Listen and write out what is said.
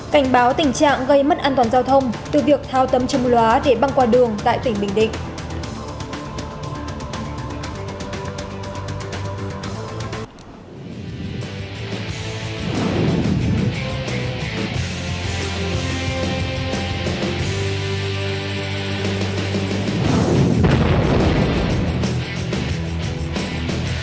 cảnh báo tình trạng gây mất an toàn giao thông từ việc thao tấm châm lóa để băng qua đường tại tỉnh bình định